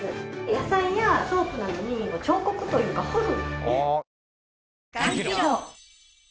野菜やソープなどに彫刻というか彫る。